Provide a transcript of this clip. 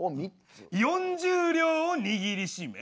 ４０両を握りしめ。